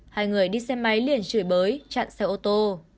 hai người đi xe máy liền chửi bới chặn xe ô tô